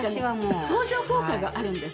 なんか相乗効果があるんですね。